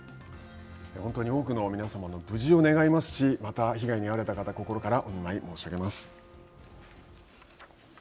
本当に多くの皆さまの無事を願いますしまた、被害に遭われた方心からお見舞い申し上げます。